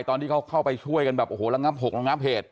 ตอนที่เขาเข้าไปช่วยกันแบบโอ้โหระงับหกระงับเหตุ